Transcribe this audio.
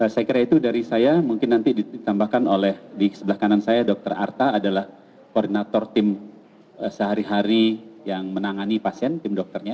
saya kira itu dari saya mungkin nanti ditambahkan oleh di sebelah kanan saya dr arta adalah koordinator tim sehari hari yang menangani pasien tim dokternya